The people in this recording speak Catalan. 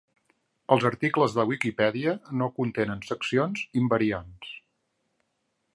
Els articles de Wikipedia no contenen seccions invariants.